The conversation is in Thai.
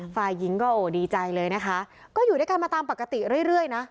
ฝ่ายหญิงก็โอ้ดีใจเลยนะคะก็อยู่ด้วยกันมาตามปกติเรื่อยนะ